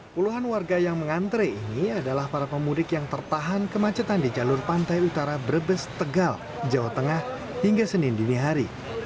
puluhan warga yang mengantre ini adalah para pemudik yang tertahan kemacetan di jalur pantai utara brebes tegal jawa tengah hingga senin dinihari